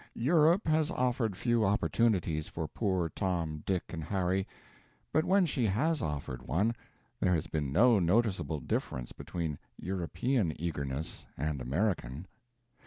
Europe has offered few opportunities for poor Tom, Dick, and Harry; but when she has offered one, there has been no noticeable difference between European eagerness and American.